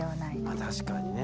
まあ確かにね。